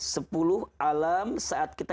sepuluh alam saat kita